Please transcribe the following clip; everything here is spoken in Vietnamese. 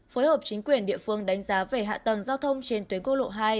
phối hợp chính quyền địa phương đánh giá về hạ tầng giao thông trên tuyến cô lộ hai